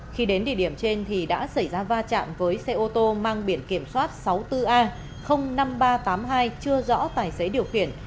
khi đến địa điểm trên thì đã xảy ra va chạm với xe ô tô mang biển kiểm soát sáu mươi bốn a năm nghìn ba trăm tám mươi hai chưa rõ tài xế điều khiển